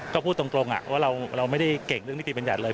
ก็พูดตรงว่าเราไม่ได้เก่งเรื่องนิติบัญญัติเลย